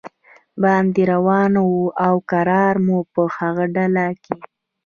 باندې روان و او کرار مو په هغه ډله کې.